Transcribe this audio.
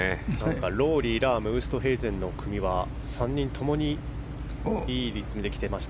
ロウリー、ラームウーストヘイゼンの組は３人ともにいいリズムできていました。